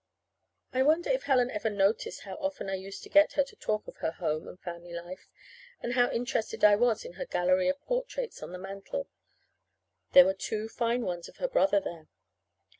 I wonder if Helen ever noticed how often I used to get her to talk of her home and her family life; and how interested I was in her gallery of portraits on the mantel there were two fine ones of her brother there.